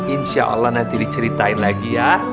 insya allah nanti diceritain lagi ya